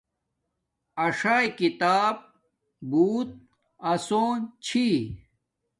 اݽاݵ کتاب بوت آسون چھی